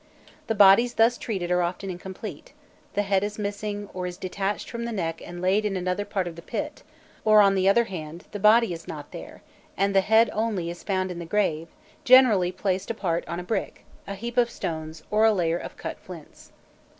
The bodies thus treated are often incomplete; the head is missing, or is detached from the neck and laid in another part of the pit, or, on the other hand, the body is not there, and the head only is found in the grave, generally placed apart on a brick, a heap of stones, or a layer of cut flints.